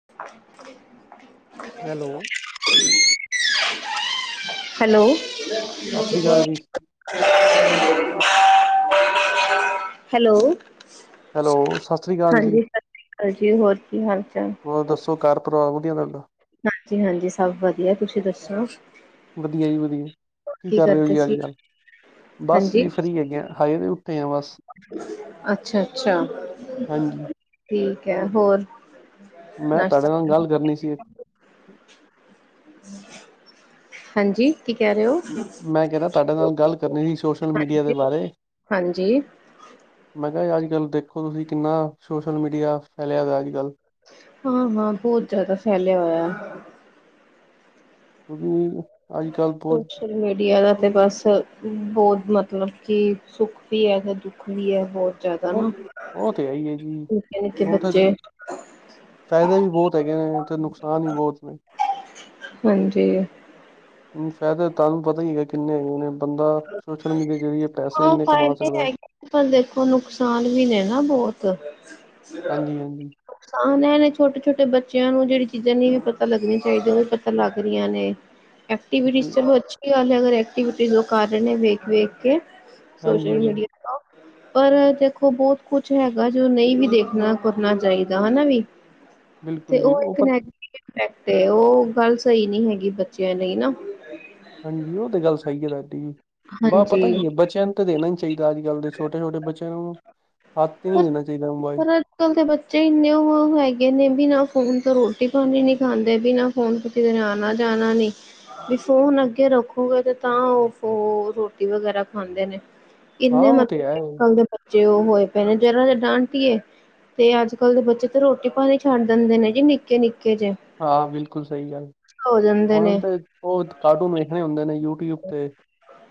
[inaudible] Hello. Hello. ਸ੍ਰੀ ਅਕਾਲ ਜੀ hello. Hello Sat Sri ਅਕਾਲ ਜੀ ਹਾਂਜੀ, ਸਤਿ ਸ੍ਰੀ ਅਕਾਲ ਜੀ, ਹੋਰ ਕੀ ਹਾਲ ਚਾਲ? ਦੱਸੋ ਹੋਰ ਘਰ ਪਰਿਵਾਰ ਵਧੀਆ ਤੁਹਾਡਾ। ਹਾਂਜੀ-ਹਾਂਜੀ, ਸਭ ਵਧੀਆ ਤੁਸੀਂ ਦੱਸੋ। ਵਧੀਆ ਜੀ ਵਧੀਆ, ਕੀ ਕਰ ਰਹੇ ਹੋ ਕਰਦੇ ਜੀ ਸੀ ਅੱਜ-ਕੱਲ੍ਹ ਬਸ ਜੀ ਫਰੀ ਹੈਗੇ। ਆ ਬਸ ਅੱਛਾ-ਅੱਛਾ, ਹਾਂਜੀ ਠੀਕ ਐ ਹੋਰ। ਮੈਂ ਤਾਡੇ ਨਾਸ਼ਤਾ ਨਾਲ ਗੱਲ ਕਰਨੀ ਸੀ ਇੱਕ। ਹਾਂਜੀ। ਕੀ ਕਹਿ ਰਹੇ ਹੋ? ਮੈਂ ਕਹਿਣਾ ਤੁਹਾਡੇ ਨਾਲ ਗੱਲ ਕਰਨੀ ਸੀ ਸੋਸ਼ਲ ਮੀਡੀਆ ਦੇ ਬਾਰੇ। ਹਾਂਜੀ ਮੈਂ ਕਿਹਾ ਅੱਜ-ਕੱਲ੍ਹ ਦੇਖੋ ਤੁਸੀਂ ਕਿੰਨਾ ਸੋਸ਼ਲ ਮੀਡੀਆ ਫੈਲਿਆ ਦਾ ਅੱਜ-ਕੱਲ੍ਹ। ਹਾਂ-ਹਾਂ, ਬਹੁਤ ਜ਼ਿਆਦਾ ਫੈਲਿਆ ਹੋਇਆ। ਕਿਉਂਕਿ ਅੱਜ-ਕੱਲ੍ਹ ਬਹੁਤ ਸੋਸ਼ਲ ਮੀਡੀਆ ਦਾ ਤਾਂ ਬੱਸ ਬੋਤ ਮਤਲੱਬ ਕਿ ਸੁੱਖ ਵੀ ਐ ਤੇ ਦੁੱਖ ਵੀ ਐ ਬੋਤ। ਉਹ ਉਹ ਤੇ ਏ ਹੀ ਐ ਜੀ, ਨਿੱਕੇ ਨਿੱਕੇ ਉਹ ਤਾਂ ਬੱਚੇ ਜੀ ਫ਼ਾਇਦੇ ਵੀ ਬੋਤ ਹੈਗੇ ਨੇ ਤੇ ਨੁਕਸਾਨ ਵੀ ਬੋਤ ਨੇ। ਹਾਂਜੀ। ਹੁਣ ਫਾਇਦਾ ਤੁਹਾਨੂੰ ਪਤਾ ਹੀ ਹੈਗਾ ਕਿੰਨੇ ਹੈਗੇ ਨੇ, ਬੰਦਾ ਸੋਸ਼ਲ ਮੀਡੀਆ ਜ਼ਰੀਏ ਪੈਸੇ ਹਾਂ ਇੰਨੇ ਕਮਾ ਫਾਇਦੇ ਸਕਦਾ। ਹੈਗੇ ਪਰ ਦੇਖੋ ਨੁਕਸਾਨ ਵੀ ਨੇ ਨਾ ਬੋਤ। ਹਾਂਜੀ ਹਾਂਜੀ ਨੁਕਸਾਨ ਇਹ ਨੇ ਛੋਟੇ-ਛੋਟੇ ਬੱਚਿਆਂ ਨੂੰ ਜਿਹੜੀ ਚੀਜ਼ਾਂ ਨੇ ਇਹ ਵੀ ਪਤਾ ਲੱਗੀਆਂ ਚਾਹੀਦੀਆਂ ਉਹ ਵੀ ਪਤਾ ਲੱਗ ਰਹੀਆਂ ਨੇ। [unintelligible] ਐਕਵਿਟੀ ਬਿਲ ਚਲੋ ਅੱਛੀ ਗੱਲ ਹੈਗ ਐਕਟੀਵਿਟੀ ਕਰ ਰਹੇ ਨੇ ਵੇਖ ਵੇਖ ਕੇ ਹਾਂਜੀ ਸੋਸ਼ਲ ਹਾਂਜੀ ਮੀਡੀਆ ਤੋਂ ਪਰ ਦੇਖੋ ਬਹੁੱਤ ਕੁੱਛ ਹੈਗਾ ਜੋ ਨਹੀਂ ਵੀ ਦੇਖਣਾ ਕਰਨਾ ਚਾਹੀਦਾ ਹਨਾ ਵੀ ਬਿਲਕੁਲ ਤੇ ਜੀ ਉਹ ਇੱਕ ਪਤਾ ਨੇਗਟਿਵ ਐਕਟ ਉਹ ਗੱਲ ਸਹੀ ਨੀ ਹੈਗੀ ਬੱਚਿਆਂ ਲਈ ਨਾ ਹਾਂਜੀ ਉਹ ਤੇ ਗੱਲ ਸਹੀ ਹੈ ਤੁਹਾਡੀ ਜੀ ਵਾਹ ਪਤਾ ਹਾਂਜੀ। ਕੀ ਹੈ ਬਚਿਆਂ ਤੇ ਦੇਣਾ ਨਹੀਂ ਚਾਹੀਦਾ ਅੱਜ ਕੱਲ੍ਹ ਦੇ ਛੋਟੇ ਛੋਟ ਬੱਚਿਆਂ ਨੂੰ ਹੱਥ ਹੀ ਨਹੀਂ ਪਰ ਦੇਣਾ ਚਾਹੀਦਾ ਮੋਬਾਇਲ ਪਰ ਅੱਜ ਕੱਲ ਦੇ ਬੱਚੇ ਇੰਨੇ ਉਹ ਹੈਗੇ ਨੇ ਬਿਨਾਂ ਫੋਨ ਤੋਂ ਰੋਟੀ ਪਾਣੀ ਨੀ ਖਾਂਦੇ ਬਿਨਾਂ ਫੋਨ ਕਿਤੇ ਨੇ ਆਉਣਾ ਜਾਣਾ ਨੀ ਬੀ ਫੋਨ ਅੱਗੇ ਰੱਖੋਗੇ ਤੇ ਤਾਂ ਉਹ ਫਿਰ ਰੋਟੀ ਵਗੈਰਾ ਖਾਂਦੇ ਨੇ ਹਾਂ ਇੰਨੇ ਉਹ ਤੇ ਮਤਲੱਬ ਹੈ ਕਿ ਅੱਜ ਕੱਲ ਦੇ ਬੱਚੇ ਉਹ ਹੋਏ ਪਏ ਨੇ ਜਰਾ ਤੇ ਡਾਂਟੀਏ ਤੇ ਅੱਜ ਕੱਲ ਦੇ ਬੱਚੇ ਤਾਂ ਰੋਟੀ ਪਾਣੀ ਛੱਡ ਦਿੰਦੇ ਨੇ ਜੀ ਨਿੱਕੇ ਨਿੱਕੇ ਜੇ ਹਾਂ ਬਿਲਕੁੱਲ ਸਹੀ ਗੱਲ ਹੋ ਜਾਂਦੇ ਹੁਣ ਨੇ ਤੇ ਉਹ ਕਾਰਟੂਨ ਵੇਖਣੇ ਹੁੰਦੇ ਨੇ ਯੂਟਿਊਬ ਤੇ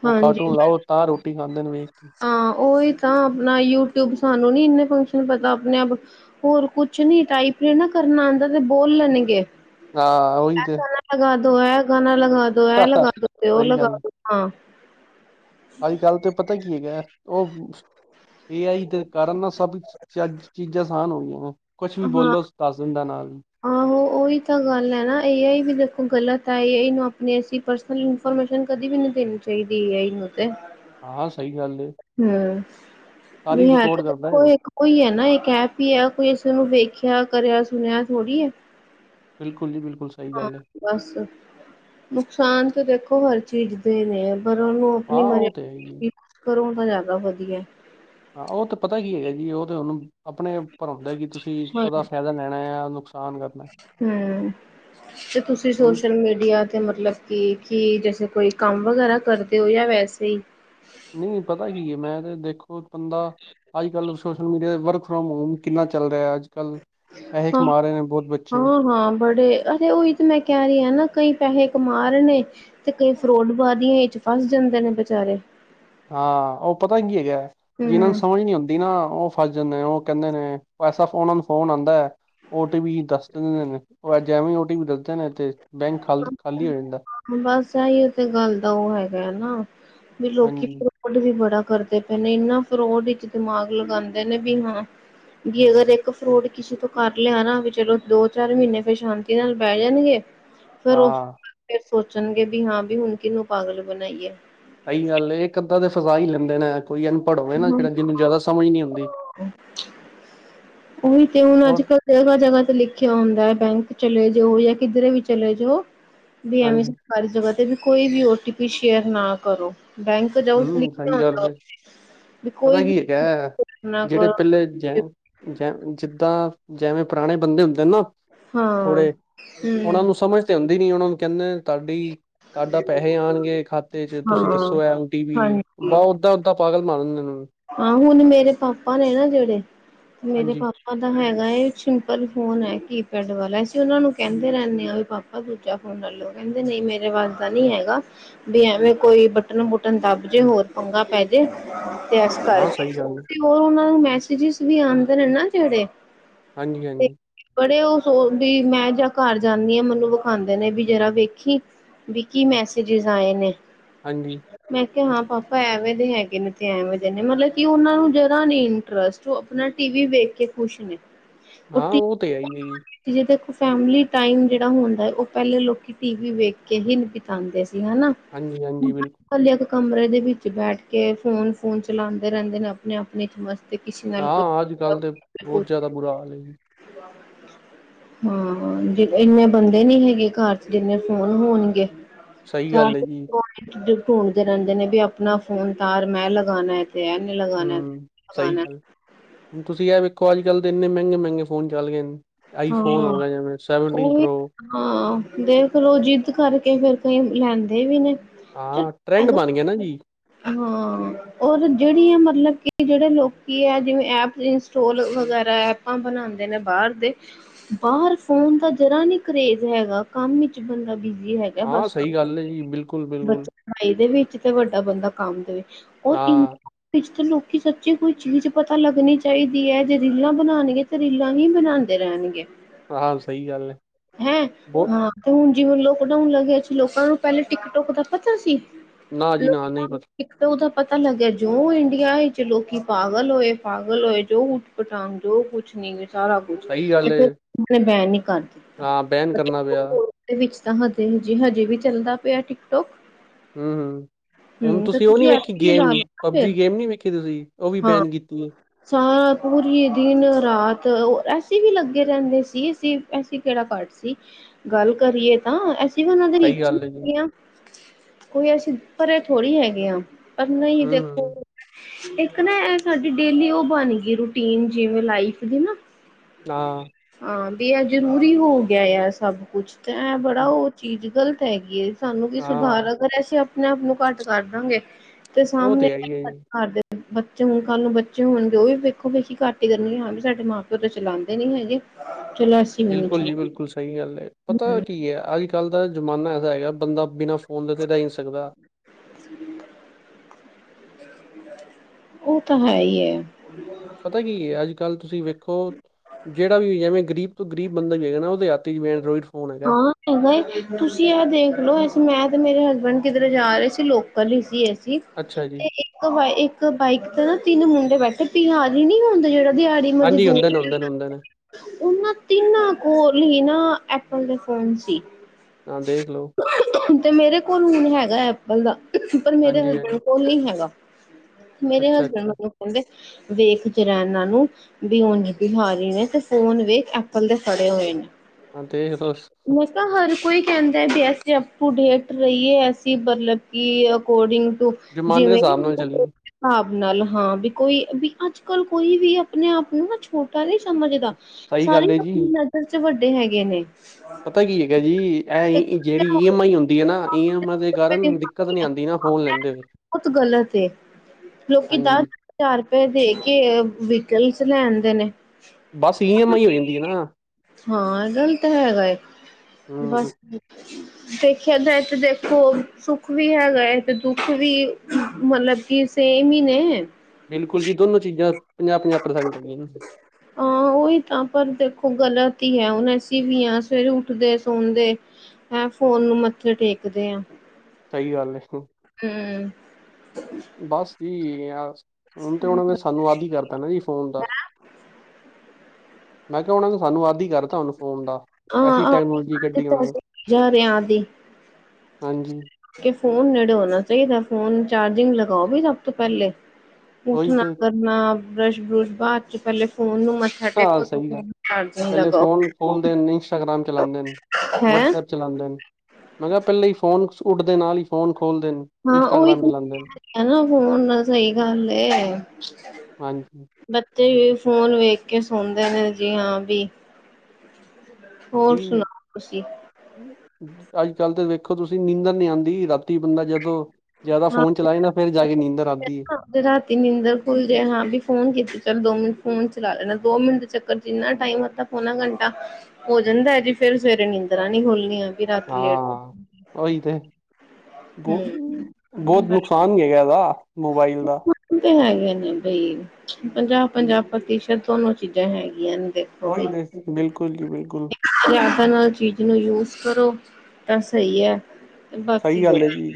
ਉਹ ਹਾਂਜੀ ਕਾਰਟੂਨ ਲਾਓ ਤਾਂ ਰੋਟੀ ਖਾਂਦੇ ਨੇ ਵੇਖ ਕੇ ਹਾਂ ਉਹੀ ਤਾਂ ਆਪਣਾ ਯੂਟਿਊਬ ਸਾਨੂੰ ਨੀ ਇਨੇ ਫੰਕਸ਼ਨ ਪਤਾ ਆਪਣੇ ਆਪ ਹੋਰ ਕੁੱਛ ਨੀ ਟਾਈਪ ਨਾ ਕਰਨਾ ਆਉਂਦਾ ਤੇ ਬੋਲ ਲੈਣਗੇ ਹਾਂ ਉਹੀ ਇਹ ਤੇ ਗਾਣਾ ਲਗਾ ਦੋ ਇਹ ਗਾਣਾ ਲਗਾ ਦੋ ਇਹ ਲਗਾ ਦੋ ਉਹ ਸਹੀ ਲਗਾ ਗੱਲ ਦੋ ਹਾਂ ਅੱਜ ਕੱਲ, ਤੇ ਪਤਾ ਕੀ ਐਗਾ, ਓ ਐ-ਆਈ ਦੇ ਕਾਰਨ, ਨਾ, ਸਭ ਚਜ ਚੀਜਾ ਸਾਨ ਹੋ ਗੀਆਂ ਨੇ। ਕੁਛ ਵੀ ਹਾਂ ਬੋਲੋ ਤਾਜ਼ਨ ਦਾ ਨਾਲ। ਆਹੋ, ਓਈ ਤਾਂ ਗੱਲ ਹੈ, ਨਾ। ਏ ਆਈ ਵੀ ਦੇਖੋ, ਗਲਤ ਹੈ। ਏ ਆਈ ਨੂੰ ਆਪਣੀ ਅਸੀਂ ਪਰਸਨਲ ਈਨ ਫੋਰਮੇਸ਼ਨ ਕਦੀ ਵੀ ਨੀ ਦੇਣੀ ਚਾਈਦੀ, ਐ-ਆਈ ਨੂ, ਤੇ। ਹਾਂ, ਸਹੀ ਗੱਲ ਐ। [inaudible] ਹਾਂ ਹੈ ਤਾਂ ਇਕ ਕਰਦਾ ਹੈ ਦੇਖੌ। ਉਹ ਕੋਈ ਹੈ ਨਾ, ਇੱਕ ਐਪ ਹੀ ਐ। ਕੋਈ ਇਸਨੂੰ ਵੇਖਿਆ ਕਰਿਆ, ਸੁਣਿਆ ਥੋੜ੍ਹੀ ਐ। ਬਿਲਕੁਲ ਜੀ, ਬਿਲਕੁਲ ਸਹੀ ਗੱਲ ਐ। ਬੱਸ ਨੁਕਸਾਨ ਤਾਂ ਦੇਖੋ ਹਰ ਚੀਜ਼ ਦੇ ਨੇ ਆ ਪਰ ਉਹਨੂੰ ਹਾਂ ਆਪਣੀ ਉਹ ਤੇ ਹੈ ਹੀ ਹੈ। ਕਰਿਆ ਕਰੋ ਤਾਂ ਜ਼ਿਆਦਾ ਵਧੀਆ ਹਾਂ ਉਹ ਤਾਂ ਪਤਾ ਕੀ ਹੈਗਾ ਜੀ ਉਹ ਤਾਂ ਉਹਨੂੰ ਆਪਣੇ ਉਪਰ ਹੁੰਦਾ ਕਿ ਤੁਸੀਂ ਹਾਂਜੀ ਉਹਦਾ ਫਾਇਦਾ ਲੈਣਾ ਆ ਨੁਕਸਾਨ ਕਰਨਾ ਹਮ ਤੇ ਤੁਸੀਂ ਹੁਣ ਸੋਸ਼ਲ ਮੀਡੀਆ ਤੇ ਮਤਲੱਬ ਕਿ ਕਿ ਜੈਸੇ ਕੋਈ ਕੰਮ ਵਗੈਰਾ ਕਰਦੇ ਹੋ ਜਾਂ ਵੈਸੇ ਹੀ ਨਹੀਂ ਪਤਾ ਕੀ ਹੈ ਮੈਂ ਤੇ ਦੇਖੋ ਬੰਦਾ ਅੱਜ ਕੱਲ social media work from home ਕਿੰਨਾ ਚੱਲ ਰਿਹਾ ਅੱਜ ਕੱਲ੍ਹ ਪੈਸੇ ਹਾਂ ਕਮਾ ਰਹੇ ਨੇ ਬਹੁੱਤ ਬੱਚੇ ਹਾਂ ਹਾਂ ਬੜੇ ਹੈ ਕਦੇ ਉਹੀ ਤੇ ਮੈਂ ਕਹਿ ਰਹੀ ਹ ਨਾ ਕਈ ਪੈਸੇ ਕਮਾ ਰਹੇ ਤੇ ਕਈ ਫਰੋਡ ਕਰਦੀਆਂ ਫਸ ਜਾਂਦੇ ਨੇ ਬੇਚਾਰੇ ਹਾਂ, ਓ ਪਤਾ ਕੀ ਐਗਾ, ਜਿਹਨਾਂ ਨੂੰ ਹਮ ਸਮਝ ਨੀ ਉਨ ਤੀਨਾ, ਓ ਫਸ ਜਾਂਦੇ। ਓ ਕੇਂਦੇ ਨੇ, ਪੈਸਾ ਫੋਨ ਨੋ ਫੋਨ ਆਂਦਾ। ਓ ਟੀ ਪੀ ਦੱਸ ਦਿੰਨਨ ਨੇ। ਓ ਅਜ ਐਵੀ, ਓ ਟੀ ਪੀ ਦੱਸਦੇ ਨੇ, ਤੇ ਬੈਂਕ ਖਾਲ-ਖਾਲੀ ਹੋ ਜਾਂਦਾ। ਬਸ, ਏਯੋ ਤੇ ਗੱਲ ਦਾ ਓ ਹੈਗਾ ਨਾ, ਵੀ ਲੋਕੀ ਹਾਂਜੀ ਫੋਡ ਵੀ ਬੜਾ ਕਰਦੇ ਪੇ ਨੇ। ਇਨਾ ਫਰੋਡ ਇਚ ਦਿਮਾਗ ਲਗਾਂਦੇ ਨੇ, ਵੀ ਹਾਂ ਵੀ, ਅਗਰ ਇੱਕ ਫਰੋਡ ਕਿਸੇ ਤੋਂ ਕਰ ਲਿਆ ਨਾ, ਵੀ ਚਲੋ, ਦੋ ਚਾਰ ਮੀਨੇ ਫੇਰ ਸ਼ਾਂਤੀ ਨਾਲ ਬਹਿ ਜਣਗੇ ਫਿਰ ਓਸ [unintelligible] ਹਾਂ ਫਿਰ ਸੋਚਣਗੇ, ਵੀ ਹਾਂ, ਵੀ ਹੁਣ ਕਿਨੂੰ ਪਾਗਲ ਬਣਾਈਏ। ਸਹੀ ਗੱਲ ਐ, ਇਕ ਅੱਧਾਂ ਤੇ ਫਸਾ ਹੀ ਲੈਂਦੇ ਨੇ। ਕੋਈ ਅਨਪੜ੍ਹ ਹੋਵੇ, ਨਾ, ਜੇੜਾ ਜਿਨੂੰ ਜਾਦਾ ਸਮਝ ਨੀ ਉਂਦੀ। [inaudible] ਉਈ ਤੇ, ਹੁਣ ਅੱਜ ਹੋਰ ਕੱਲ ਜਗਾ ਜਗਾ ਤੇ ਲਿਖਿਆ ਹੁੰਦਾ ਹੈ। ਬੈਂਕ ਚਲੇ ਜਓ, ਯਾ ਕਿਧਰੇ ਵੀ ਚਲੇ ਜਓ, ਵੀ ਐਵੇ ਹਾਂਜੀ ਸਾਰੀ ਜਗਾ ਤੇ, ਵੀ ਕੋਈ ਵੀ ਓਟੀ ਪੀ ਸ਼ੇਅਰ ਨਾ ਕਰੋ। ਬੈਂਕ ਜਾਓ, ਹਮ ਸਹੀ ਗੱਲ [unintelligible] ਹੈ ਵੀ ਪਤਾ ਕੋਈ ਕੀ ਵੀ ਐਗਾ, ਨਾ ਜਿਹੜੇ ਕਰੋ ਪੇਲੇ ਜੇਂ ਜ ਜਿੱਦਾਂ, ਜੇਵੇਂ ਪੁਰਾਣੇ ਬੰਦੇ ਹੁੰਦੇ, ਨਾ ਹਾਂ ਓਨਾਂ ਹੂੰ ਨੂੰ ਸਮਝ ਤੇ ਉਂਦੀ ਨੀ। ਓਨਾਂ ਨੂੰ ਕਹਿੰਦੇ, ਤਾਡੀ ਤਾਡਾ ਪੈਹੇ ਆਣਗੇ ਖਾਤੇ ਚ। ਤੁਸੀਂ ਹਾਂ ਦੱਸੋ, ਐ ਵੀ, ਬ ਓਦਾਂ-ਓਦਾਂ ਪਾਗਲ ਮਣਾਨੰਨੇ। ਆਹੋ, ਹੁਣ ਮੇਰੇ ਪਾਪਾ ਨੇ, ਨਾ, ਜੇੜੇ ਮੇਰੇ ਹਾਂਜੀ ਪਾ ਓਦਾ ਹੈਗਾ। ਛਿੰਪਲ ਫੋਨ ਹੈ, ਕੀਪੈਡ ਵਲਾ। ਅਸੀਂ ਓਨਾਂ ਨੂੰ ਕਹਿੰਦੇ ਰਹਿੰਨੇ ਹਾਂ, ਵੀ ਪਾਪਾ, ਦੂਜਾ ਫੋ [inaudible] ਕੇਂਦੇ ਨਹੀਂ, ਮੇਰੇ ਵਸਦਾ ਨੀ ਐਗਾ। ਵੀ ਐਵੇਂ, ਕੋਈ ਬਟਨ ਬੁਟਨ ਦੱਬ ਜੇ, ਹੋਰ ਪੰਗਾ ਪੈ ਜੇ ਤੇ ਐਸ ਹਾਂ ਸਹੀ ਕਰਕੇ, ਗੱਲ ਹੈ। ਹੋਰ ਓਨਾਨੂੰ ਮੈਸਜੀਸ ਵੀ ਆਂਦੇ ਨੇ ਨਾ, ਜੇੜੇ ਹਾਂਜੀ, ਹਾਂਜੀ। ਬੜੇ, ਉਹ ਸੋਚਦੀ, ਮੈਂ ਜਾਂ ਘਰ ਜਾਂਨੀ ਹ। ਮੈਨੂੰ ਵਖਾਉਂਦੇ ਨੇ, ਵੀ ਜਰਾ ਵੇਖੀ ਵੀ, ਕੀ ਮੈਸੇਜੀਸ ਆਏ ਨੇ। ਹਾਂਜੀ। ਮੈਂ ਕੇਆ ਹਾਂ, ਪਾਪਾ ਐਵੇਂ ਦੇ ਹੈਗੇ ਨੇ ਤੇ ਐਵੇਂ ਕੈਨੇ ਮਤਲਬ ਕਿ ਔਨਾ ਨੂੰ ਜਰਾ ਨੀ ਇੰਟਰਸਟ ਔ ਅਪਣਾ ਟੀ ਵੀ ਵੇਖ ਕੇ ਖੁਸ਼ ਨੇ। ਹਾਂ, ਓਹ ਤੇ ਹੈਈ ਏ ਜੀ। ਜੇ ਦੇਖੋ ਫੈਮਲੀ ਟਾਈਮ ਜੇੜਾ ਹੋੰਦੈ, ਔ ਪੈਲੇ ਲੋਕੀ ਟੀ ਵੀ ਵੇਖ ਕੇ ਹੀ ਬਿਤਾੰਦੇ ਸੀ, ਹਨਾ। ਹਾਂਜੀ ਹਾਂਜੀ, ਬਿਲਕੁ ਇਕੱਲੇ ਆ ਏਕ ਕਮਰੇ ਦੇ ਵਿੱਚ ਬੈਠ ਕੇ ਫੋਨ-ਫੂਨ ਚਲਾੰਦੇ ਰੈੰਦੇ ਨੇ ਅਪਣੇ-ਅਪਣੇ ਚ ਮਸ ਹਾਂ, ਅੱਜ-ਕੱਲ੍ਹ ਤੇ ਬੌਤ ਜੈਦਾ ਬੁਰਾ ਹਾਲ ਏ ਜੀ। [inaudible] ਹੂੰ ਹਾਂ, ਜ ਇੰਨੇ ਬੰਦੇ ਨੀ ਹੈਗੇ ਘੱਰ ਚ ਜਿੰਨੇ ਫੋਨ ਹੋਣਗੇ। ਸਹੀ ਗੱਲ ਏ ਜੀ। ਕਿਧਰ ਢੂੰਡਦੇ ਰੈੰਦੇ ਨੇ ਬੀ ਅਪਣਾ ਫੋਨ ਤਾਰ ਮੈਂ ਲਗਾਣੈ। [unintelligible] ਟਾਈਮ ਨਹੀਂ ਹਮ, ਸਈ। [inaudible] ਹੁਣ ਤੁਸੀਂ ਏਹ ਵੇਖੋ, ਅੱਜ ਕੱਲ ਤਾਂ ਇੰਨੇ ਮਹਿੰਗੇ, -ਮਹਿੰਗੇ ਫੋਨ ਚੱਲ ਗਏ ਨੇ। ਹਾਂ ਆਈਫੋਨ ਹੋ ਗਿਆ, ਜਿਵੇਂ ਸੈਵਨਟੀਨ ਉਹੀ ਪ੍ਰੋ ਹਾਂ, ਦੇਖਲੋ। ਜਿੱਦ ਕਰਕੇ, ਫੇਰ ਕਈ ਲੈਂਦੇ, ਵੀ ਨੇ। ਹਾਂ, ਟਰੈਂਡ ਬਣ ਗਿਆ ਨਾ ਜੀ। ਹਾਂ ਔਰ, ਜੇੜੀਆ, ਮਤਲਬ ਕੇ, ਜੇੜੇ ਲੋਕੀ ਹੈ, ਜਿਵੇਂ ਐਪ ਇੰਸਟੋਲ ਵਗੈਰਾ ਆਪ ਬਣਾਉਂਦੇ ਨੇ ਬਾਹਰ ਦੇ ਬਾਰ ਫੋਨ ਦਾ, ਜਰਾ ਵੀ ਕਰੇਜ਼ ਹੈਗਾ। ਕੰਮ ਵਿਚ, ਬੰਦਾ ਬਿ ਬਿਜ਼ੀ ਹੈਗਾ ਹਾਂ ਬਸ ਸਹੀ ਗੱਲ ਹੈ ਜੀ ਬਿਲਕੁਲ [inaudible] ਬਿਲਕੁਲ ਪੜ੍ਹਾਈ ਦੇ ਵਿੱਚ ਤੇ, ਵੱਡਾ ਬੰਦਾ ਕੰਮ ਦੇ ਵਿੱਚ ਹਾਂ [inaudible] ਵਿੱਚ ਤਾਂ ਲੋਕੀ, ਸੱਚੀ, ਕੋਈ ਚੀਜ ਪਤਾ ਲੱਗਣੀ ਚਾਈਦੀ ਹੈ। ਜੇ ਰੀਲਾਂ ਬਣਾਣਗੇ ਤੇ ਰੀਲਾਂ ਹੀ ਬਣਾੰਦੇ ਰੈਣਗੇ। ਹਾਂ, ਸਹੀ ਗੱਲ ਐ। ਹੈਂ, ਹਾਂ ਤੇ ਹੁਣ ਜਿਵੇਂ ਲੋਕਡਾਊਨ ਲੱਗਿਆ ਸੀ ਲੋਕਾਂ ਨੂੰ ਪੈਲੇ ਟਿਕਟੋਕ ਦਾ ਪਤਾ ਸੀ। ਨਾ ਜੀ ਲੋਕੀ ਨਾ ਨਹੀਂ ਪਤਾ ਇੱਕ ਤੋ ਓਦਾ ਪਤਾ ਲੱਗਿਆ, ਜੋ ਇੰਡੀਆ ਵਿਚ ਲੋਕੀ ਪਾਗਲ ਹੋਏ ਪਾਗਲ ਹੋਏ, ਜੋ ਉ ਪਟਾਂਗ ਜੋ ਕੁਛ ਨੀ ਸਾਰਾ ਕੁਛ ਸਹੀ ਗੱਲ ਏ [inaudible] ਬੈਨ ਨੀ ਕਰਦੀ। ਹਾਂ, ਬੈਨ ਕਰਨਾ ਪਿਆ। ਯੂਕੇ ਵਿੱਚ ਤਾਂ ਹਜੇ ਹਂਜੀ ਹਜੇ ਵੀ ਚੱਲਦਾ ਪਿਐ ਟਿਕਟੋਕ। ਹੂੰ, ਹੂੰ। ਹੁਣ ਹੂੰ ਤੇ ਤੁਸੀਂ ਓਹ ਨੀ ਵੇਖੀ ਐਥੇ ਹੀ ਲਾ ਗੇਮ, ਲਓ ਨਾ ਫਿਰ ਪਬਜੀ ਗੇਮ ਨੀ ਵੇਖੀ ਤੁਸੀਂ ਓਹ ਵੀ ਹਾਂ ਬੈਨ ਕੀਤੀ ਏ। ਸਾਰਾ ਪੂਰੀ, ਦਿਨ -ਰਾਤ ਐਸੀ ਵੀ ਲੱਗੇ ਰੈੰਦੇ ਸੀ। ਅਸੀਂ ਐਸੀ ਕੇੜਾ ਘੱਟ ਸੀ। ਗੱਲ ਕਰੀਏ ਤਾਂ। ਅਸ ਤੇ ਔਨਾਂ ਦੇ ਸਹੀ ਵਿੱਚ ਗੱਲ ਏ ਜੀ ਹੀ ਆ, ਕੋਈ ਅਸੀਂ ਪਰੇ, ਥੋੜ੍ਹੀ ਹੈਗੇ ਆ। ਪਰ ਨਹੀਂ ਹੂੰ ਹੂੰ, ਦੇਖੋ, ਇੱਕ ਨਾ ਐਹ ਸਾਡੀ ਡੇਲੀ ਔ ਬਣ ਗੀ, ਰੂਟੀਨ, ਜਿਵੇਂ ਲਾਈਫ ਦੀ ਨਾ। ਹਾਂ। ਹਾਂ, ਬੀ ਐ ਜ਼ਰੂਰੀ ਹੋ ਗਿਆ ਏ, ਐ ਸਭ ਕੁਛ ਤੇ ਐ ਬੜਾ ਔ ਚੀਜ਼ ਗ਼ਲਤ ਹੈਗੀ ਏ, ਸਾਨੂੰ ਕੀ ਹਾਂ ਸੁਧਾਰ ਅਗਰ, ਅਸੀਂ ਆਪਣਾ ਮੂੰ ਘੱਟ ਕਰ ਲਾ ਗੇ। ਤੇ ਉਹ ਸਾਮਣੇ, ਹੈ ਹੀ ਹੈ ਜੀ ਘਰ ਦੇ ਬੱਚੇ ਹੁਣ ਕਾੱਲ ਨੂੰ ਬੱ ਚੇ ਹੋਣਗੇ ਔ ਵੀ, ਵੇਖੋ ਵੇਖੀ ਘਟ ਹੀ ਕਰਣਗੇ। ਹਾਂ ਵੀ ਸਾਡੇ ਮਾਂ-ਪਿਓ ਤੇ ਚਲਾੰਦੇ ਨੀ ਹੈਗੇ। ਚਲੋ ਅਸ ਬਿਲਕੁਲ, ਜੀ ਬਿਲਕੁਲ, ਸਹੀ ਗੱਲ ਏ। ਪਤਾ ਕੀ‌ ਅੱਜ- ਕ ਅੱਜ-ਕੱਲ੍ਹ ਦਾ ਜ਼ਮਾਨਾ ਐਸਾ ਹੈਗਾ, ਬੰਦਾ ਬਿਨਾਂ ਫੋਨ ਦੇ ਤੇ ਰੈ ਹੀ ਨੀ ਸਕਦਾ। ਔ ਤਾਂ ਹੈ ਈ ਯੈ। [inaudible] ਪਤੈ ਕੀ ਏ, ਅੱਜ-ਕੱਲ੍ਹ ਤੁਸੀਂ ਵੇਖੋ ਜੇੜਾ ਵੀ ਏ, ਜੈਵੇਂ ਗਰੀਬ, ਤੋਂ ਗਰੀਬ ਬੰਦਾ ਵੀ ਹੈਗਾ ਨਾ, ਔਦੇ ਹੱਥ ਵੀ ਇਨਡ੍ਰੋਈਡ ਹਾਂ। ਅਹਾਂ ਏ ਤੁਸੀਂ, ਐ ਦੇਖ ਲੋ ਅਸੀ ਮੈਂ ਤੇ ਮੇਰੇ ਹਸਬੈਂਡ, ਕਿੱਧਰੇ ਜਾ ਰੇ ਸੀ ਲੋਕਲ ਹੀ ਸੀ ਏਸੀ। ਅੱਛਾ ਜੀ ਤੇ ਇੱਕ-ਇੱਕ ਬਾਈਕ ਤੇ ਨਾ ਤਿੰਨ ਮੁੰਡੇ ਬੈਠੇ ਤੀ ਆਦ ਨਈ ਹੁੰਦੇ ਜੇੜੇ ਦਿਹਾੜੀ ਹਾਂਜੀ ਮਜ਼ਦੂਰ ਹੁੰਦੇ ਨੇ ਹੁੰਦੇ ਨੇ ਹੁੰਦੇ ਨੇ ਓਨਾ ਤਿਨਾ ਕੋਲ ਈ ਨਾ, ਐਪਲ ਦੇ ਫੋਨ ਸੀ। ਨਾ ਦੇਖ ਲੋ ਤੇ ਮੇਰੇ ਕੋਲ, ਹੈਗਾ ਐਪਲ ਦਾ ਪਰ ਮੇਰੇ ਹਾਂਜੀ ਹਸਬੈਂਡ ਹਾਂਜੀ ਕੋਲ ਨੀ ਹੈਗਾ। ਮੇਰੇ ਅੱਛਾ ਹਸਬੈਂਡ ਅੱਛਾ ਮੈਨੂੰ ਕਹਿਦੇ ਵੇਖ ਜਰਾ ਐਨਾ ਨੂੰ। ਵੀ ਉਂਜ ਬਿਹਾਰੀ ਨੇ, ਤੇ ਫੋਨ ਵੇਖ ਐਪਲ ਦੇ ਫੜੇ ਹੋਏ ਨੇ। ਹਾਂ ਦੇਖ ਤੁਸ ਮੁ [inaudible] ਤਾਂ ਹਰ ਕੋਈ ਕਹਿਦਾ ਵੀ ਐਸੀੇ ਅਪ ਟੂ ਡੇਟ ਰਈਏ ਐਸੀ ਮਤਲਬ ਕਿ ਅਕੋਰਡਿੰਗ ਟੂ ਜ਼ਮਾਨੇ ਦੇ ਜਿਵੇਂ [inaudible] [inaudible] ਹਿਸਾਬ ਨਾਲ ਚੱਲੀਏ ਸਾਬ ਨਾਲ ਹਾਂ ਬੀ ਕੋਈ ਵੀ ਅੱਜ-ਕੱਲ ਕੋਈ ਵੀ ਅਪਣੇ- ਆਪ ਨੂੰ ਨਾ ਛੋਟਾ, ਨਹੀਂ ਸਮਝਦਾ ਸਹੀ ਸਾਰੇ ਗੱਲ ਈ ਹੈ ਅਪਣੀ ਜੀ। ਨਜ਼ਰ ਚ ਵੱਡੇ ਹੈਗੇ ਨੇ। ਪਤਾ ਕੀ ਹੈਗਾ ਜੀ ਐ ਜੇੜੀ ਈ ਐਮ ਆਈ, ਹੁੰਦੀ ਏਨਾ, ਈ ਐਮ ਆ ਦੇ ਕਾਰਨ ਦਿ ਸਮਜ਼ ਨਈ ਆਦੀ, ਨਾ ਫੋਨ ਲੈਂਦੇ ਹੋਏ। ਬੌਤ ਗਲਤ ਏ ਜੋਕੀ ਦਾ ਹਾਂਜੀ [inaudible] ਹਜਾਰ ਰੁਪਏ ਦੇ ਕੇ, ਵਿਕਲਸ ਲੈ ਆਦੇ ਨੇ। ਬਸ, ਈ ਐਮ ਆਈ, ਹੋ ਜਾਂਦੀ ਏ ਨਾ। ਹਾਂ, ਗਲਤ ਹੈਗਾ ਏ। ਹੂੰ ਬਸ ਦੇਖਿਆ ਜਾਏ, ਤੇ ਦੇਖੋ ਸੁੱਖ ਵੀ, ਹੈਗਾ ਏ ਤੇ ਦੁੱਖ ਵੀ ਮਤਲਬ ਕਿ, ਸੇਮ ਈ ਨੇ ਬਿਲਕੁਲ ਜੀ, ਦੋਨੋ ਚੀਜ਼ਾਂ ਪੰਜਾਹ-ਪੰਜਾਹ ਪ੍ਰਸੈਂਟ ਹੈਗੀਐਣ ਹਾਂ, ਓਹੀ ਤਾਂ ਪਰ ਦੇਖੋ ਗਲਤ ਐ ਹੁਣ ਅਸੀਂ ਵੀ ਆ ਸਵੇਰੇ ਉੱਠਦੇ ਸੌਦੇ ਹੈਂ ਫੋਨ ਨੂੰ, ਮੱਥੇ ਟੇਕਦੇ ਆਂ। ਸਹੀ ਗੱਲ ਏ - ਹੂੰ ਬਸ ਜੀ, ਆ ਹੁਣ ਤੇ ਹੁਣ ਸਾਨੂੰ, ਆਦੀ ਕਰਤਾ ਤਾਂ ਜੀ ਫੋਨ ਦਾ, ਮੈਂ ਕਿਆ ਓਨਾ ਨੇ ਸਾਨੂੰ ਆਦੀ ਕਰ ਤੁਹਾਨੂੰ ਫੋਨ ਦਾ, ਐਸੀ ਟੈਕਨੋਲੋਜੀ ਕੱਢੀ ਹਾਂ ਓਨਾਂ। ਜਾ ਰਿਹਾ ਹਾਂਜੀ। ਕਿ ਫੋਨ ਨੇੜੇ ਹੋਣਾ ਚਾਹੀਦਾ ਫੋਨ ਚਾਰਜਿੰਗ ਲਗਾਓ ਵੀ ਸਭ ਤੋਂ ਪਹਿਲੇ ਉਹੀ ਉੱਠਣਾ, ਤੇ ਕਰਨਾ ਬਰੱਸ਼ -ਬਰੁਸ਼ ਬਾਦ ਚ, ਪਹਿਲੇ ਫੋਨ ਨੂੰ ਮ ਹਾਂ ਸਹੀ ਐ, ਪਹਿਲੇ, ਫੋਨ ਖੋਲਦੇ ਇੰਸਟਾਗ੍ਰਮ, ਚਲਾ ਦੇ ਨੇ ਹੈਂ ਵਟਸਐਪ ਚਲਾਂਦੇ ਨੇ ਮੈਂ ਕਿਆ ਪੈਲੇ ਈ ਫੋਨ ਉੱਡਦੇ ਨਾਲ ਈ ਫੋਨ ਖੋਲਦੇ ਨੇ। ਹਾਂ ਓਹੀ ਇੰਸਟਾਗ੍ਰਾਮ ਚਲਾਉਂਦੇ ਨੇ [unintelligible] ਨਾ ਫੋਨ ਨਾਲ ਸਈ ਗੱਲ ਏ। ਹਾਂਜੀ ਬੱਚੇ ਵੀ ਫੋਨ ਵੇਖ ਕੇ ਸੌਂਦੇ ਨੇ ਜੀ ਹਾਂ ਵੀ। ਹੋਰ ਜੀ ਸੁਣਾਓ ਤੁਸੀ। ਅੱਜ ਕੱਲ੍ਹ ਤੇ ਵੇਖੋ ਤੁਸੀਂ ਨੀਂਦਣ ਨੀ ਆਂਦੀ ਰਾਤੀ ਬੰਦਾ ਜਦੋਂ ਜਾਦਾ ਫੋਨ ਚਲਾਏ ਨਾ ਫੇਰ ਜਾ ਕੇ ਨੀਂਦਰ ਆਂਦੀ ਏ। ਜੇ ਰਾਤੀ ਨੀਂਦਰ ਖੁੱਲ ਜੇ ਹਾਂ ਵੀ ਫੋਨ ਕੀਤੀ ਚੱਲ ਦੋ ਮਿੰਟ ਫੋਨ ਚਲਾ ਲੈਣਾ ਦੋ ਮਿੰਟ ਚੱਕਰ ਜਿੰਨਾ ਟਾਈਮ ਅੱਧਾ ਪੌਣਾ ਘੰਟਾ ਹੋ ਜਾਂਦਾ ਜੀ ਫੇਰ ਸਵੇਰੇ ਨੀਂਦਰਾਂ ਨੀ ਖੋਲਣੀਆਂ। ਹਾਂ ਓਹੀ ਤੇ। ਹਮ [unintelligible] ਬੋਤ ਨੁਕਸਾਨ [unintelligible] ਓਦਾ ਮੋਬਾਈਲ ਦਾ। ਤੇ ਹੈਗੇ ਨੇ ਬਈ ਪੰਜਾਹ ਪੰਜਾਹ ਪ੍ਰਤੀਸ਼ਤ ਦੋਨੋ ਚੀਜ਼ਾਂ ਹੈਗੀਆਂ ਨੇ ਤੇ। ਓਹੀ [unintelligible] ਤੇ ਬਿਲਕੁੱਲ ਜੀ ਬਿਲਕੁੱਲ। ਜਾਦਾ ਨਾ ਚੀਜ਼ ਨੂੰ ਯੂਜ ਕਰੋ ਤਾਂ ਸਈ ਐ। ਬਾਕੀ ਸਹੀ ਗੱਲ ਹੈ ਜੀ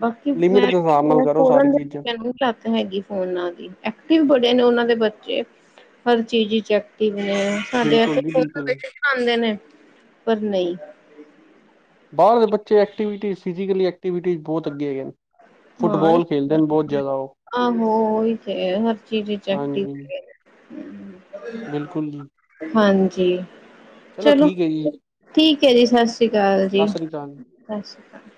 ਬਾਕੀ ਲਿਮਿਟ ਮੈਂ ਦੇ ਹਿਸਾਬ ਨਾਲ ਕਯਾ ਕਰੋ ਸਾਰੀ ਫੋਰਨ [inaudible] ਚੀਜ਼ਾਂ [unintelligible] ਲੱਤ ਹੈਗੀ ਫੋਨਾਂ ਦੀ ਐਕਟਿਵ ਬੜੇ ਨੇ ਓਨਾਂ ਦੇ ਬੱਚੇ। ਹਰ ਚੀਜ਼ ਚ ਐਕਟਿਵ ਨੇ ਸਾਡੇ ਐਥੇ ਬਿਲਕੁਲ ਜੀ ਫੋਨਾਂ ਬਿਲਕੁਲ ਤੇ [unintelligible] ਆਂਦੇ ਨੇ ਪਰ ਨਈ। ਬਾਹਰ ਦੇ ਬੱਚੇ ਐਕਟੀਵਿਟੀ ਫਿਜ਼ਕਲੀ ਐਕਟੀਵਿਟੀ ਬਹੁਤ ਅੱਗੇ ਹੈਗੇ ਨੇ। ਹਾਂ ਫੁੱਟਬਾਲ ਖੇਲਦੇ ਨੇ ਬਹੁਤ ਜ਼ਿਆਦਾ ਉਹ ਆਹੋ ਓਹੀ ਤੇ ਹੈ ਹਰ ਚੀਜ਼ ਐਕਟਿਵ ਹਾਂਜੀ ਨੇ। ਬਿਲਕੁਲ ਜੀ ਹਾਂਜੀ ਚਲੋ। ਠੀਕ ਹੈ ਜੀ ਠੀਕ ਹੈ ਜੀ ਸਤਿ ਸ਼੍ਰੀ ਅਕਾਲ ਜੀ ਸਤਿ ਸ੍ਰੀ ਅਕਾਲ ਸਤਿ ਸ੍ਰੀ ਅਕਾਲ।